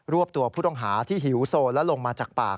วบตัวผู้ต้องหาที่หิวโซนและลงมาจากปาก